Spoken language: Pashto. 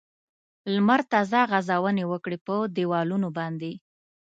لمر تازه غځونې وکړې په دېوالونو باندې.